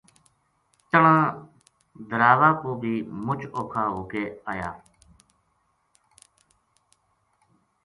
تنہاں دراوا پو بے مُچ اوکھا ہو کے آیا